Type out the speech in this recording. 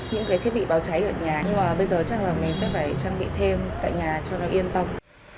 những cái thiết bị báo cháy ở nhà nhưng mà bây giờ chắc là mình sẽ phải trang bị thêm tại nhà cho nó yên tâm